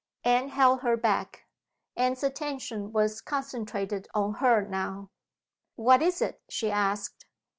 Anne held her back. Anne's attention was concentrated on her now. "What is it?" she asked.